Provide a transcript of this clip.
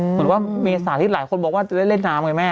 เหมือนว่ามีสถานที่หลายคนบอกว่าได้เล่นน้ำกันไงแม่